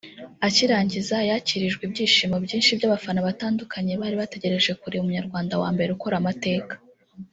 Akirangiza yakirijwe ibyishimo byinshi by’abafana batandukanye bari bategereje kureba Umunyarwanda wa mbere ukora amateka